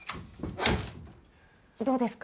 どうですか？